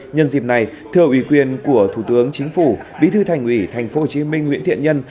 nhân dịp này thưa ủy quyền của thủ tướng chính phủ bí thư thành ủy tp hcm nguyễn thiện nhân